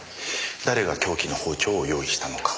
誰が凶器の包丁を用意したのか。